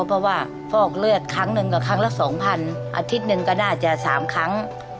เพราะว่าฟอกเลือดครั้งหนึ่งกับครั้งละ๒๐๐อาทิตย์หนึ่งก็น่าจะ๓ครั้ง